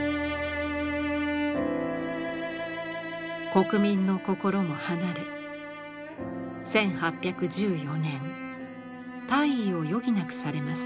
国民の心も離れ１８１４年退位を余儀なくされます。